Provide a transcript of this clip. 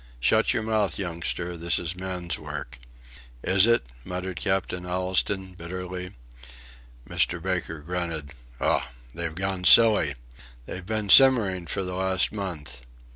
"Shut yer mouth, youngster this is men's work." "Is it?" muttered Captain Allistoun, bitterly. Mr. Baker grunted: "Ough! They're gone silly. They've been simmering for the last month."